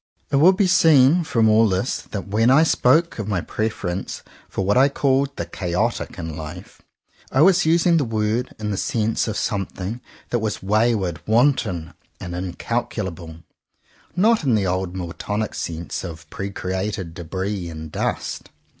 It will be seen from all this that~when I spoke of my preference for what I called the "chaotic" in life, I was using the word in the sense of something that was way ward, wanton and incalculable, not in the old Miltonic sense of pre createdj debris and dust.